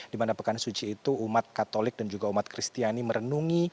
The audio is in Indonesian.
di mana pekan suci itu umat katolik dan juga umat kristiani merenungi